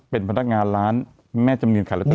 เป็นพนักงานร้านแม่จำนียนขาดละตะดี